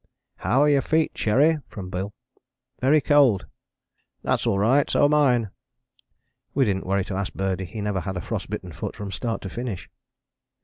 "How are your feet, Cherry?" from Bill. "Very cold." "That's all right; so are mine." We didn't worry to ask Birdie: he never had a frost bitten foot from start to finish.